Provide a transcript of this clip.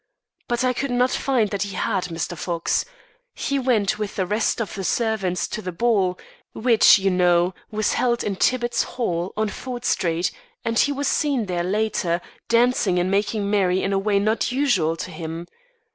But I could not find that he had, Mr. Fox. He went with the rest of the servants to the ball which, you know, was held in Tibbitt's Hall, on Ford Street and he was seen there later, dancing and making merry in a way not usual to him.